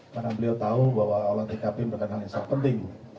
karena beliau tahu bahwa olah tkb merupakan hal yang sangat penting